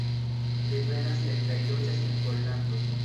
Li venas el kaj loĝas en Pollando.